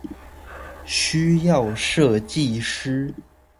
需要設計師